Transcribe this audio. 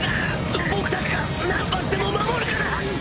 僕たちが何発でも守るから！